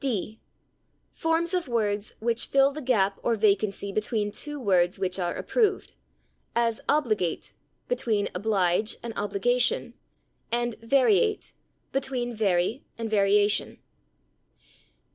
d. Forms of words "which fill the gap or vacancy between two words which are approved," as /obligate/ (between /oblige/ and /obligation/) and /variate/ (between /vary/ and /variation